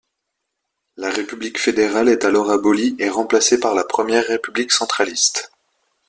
La République fédérale est alors abolie et remplacée par la Première République centraliste.